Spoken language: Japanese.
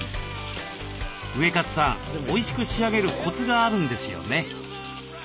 ウエカツさんおいしく仕上げるコツがあるんですよね。